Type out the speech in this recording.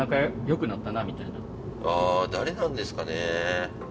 あー、誰なんですかね。